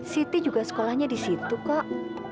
siti juga sekolahnya di situ kok